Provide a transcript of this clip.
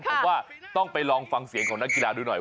ผมว่าต้องไปลองฟังเสียงของนักกีฬาดูหน่อย